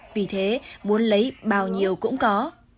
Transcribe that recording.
vì thế muốn lấy bao nhiêu cũng có